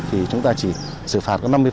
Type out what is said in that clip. thì chúng ta chỉ xử phạt